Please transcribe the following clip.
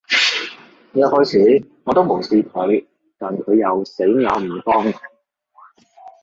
一開始，我都無視佢，但佢又死咬唔放